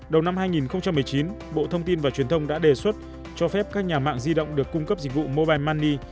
đầu năm hai nghìn một mươi chín bộ thông tin và truyền thông đã đề xuất cho phép các nhà mạng di động được cung cấp dịch vụ mobile money